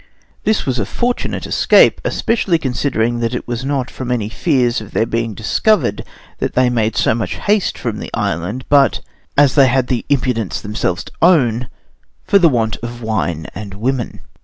This was a fortunate escape, especially considering that it was not from any fears of their being discovered that they made so much haste from the island, but, as they had the impudence themselves to own, for the want of wine and women.